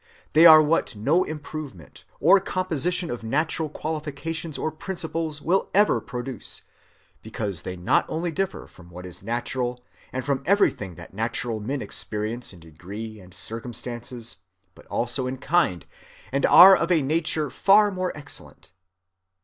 They are what no improvement, or composition of natural qualifications or principles will ever produce; because they not only differ from what is natural, and from everything that natural men experience in degree and circumstances, but also in kind, and are of a nature far more excellent.